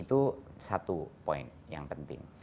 itu satu poin yang penting